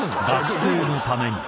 ［学生のために］